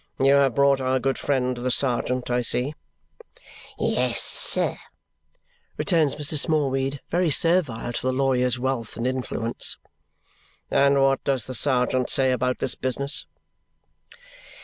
"You have brought our good friend the sergeant, I see." "Yes, sir," returns Mr. Smallweed, very servile to the lawyer's wealth and influence. "And what does the sergeant say about this business?"